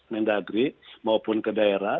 mendagri maupun ke daerah